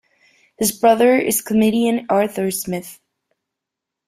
His brother is comedian Arthur Smith.